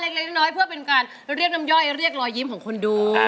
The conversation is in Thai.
เล็กน้อยเพื่อเป็นการเรียกน้ำย่อยเรียกรอยยิ้มของคนดู